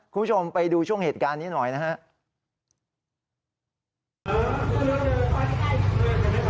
คุณผู้ชมไปดูช่วงเหตุการณ์นี้หน่อยนะครับ